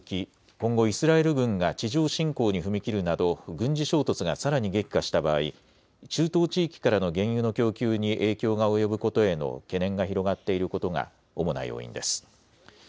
今後、イスラエル軍が地上侵攻に踏み切るなど軍事衝突がさらに激化した場合、中東地域からの原油の供給に影響が及ぶことへの懸念が広がっていることが主な要因です。